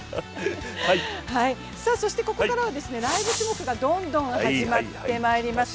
そしてここからはライブ競技がどんどん始まっています。